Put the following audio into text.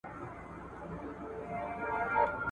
د توپان غرغړې اورم د بېړیو جنازې دي ..